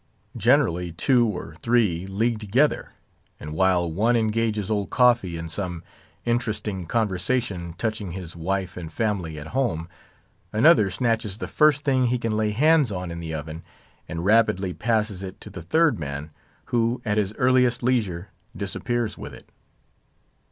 Generally, two or three league together, and while one engages Old Coffee in some interesting conversation touching his wife and family at home, another snatches the first thing he can lay hands on in the oven, and rapidly passes it to the third man, who at his earliest leisure disappears with it.